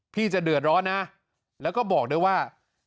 จะเดือดร้อนนะแล้วก็บอกด้วยว่า